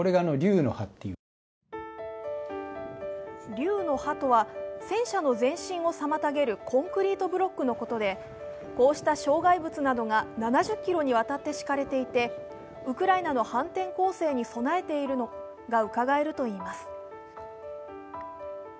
竜の歯とは、戦車の前進を妨げるコンクリートブロックのことでこうした障害物などが７０ｋｍにわたって敷かれていて、ウクライナの反転攻勢に備えているのがうかがえると言います。